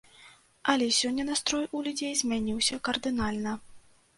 Але сёння настрой у людзей змяніўся кардынальна.